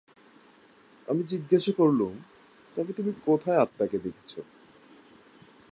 আমি জিজ্ঞাসা করলুম, তবে তুমি কোথায় আত্মাকে দেখছ?